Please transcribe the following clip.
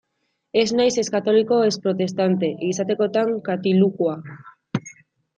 Ez naiz ez katoliko ez protestante; izatekotan katilukoa.